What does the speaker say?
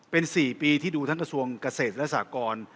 เป็น๔ปีที่ดูทั้งกระทรวงเกษตรและสากร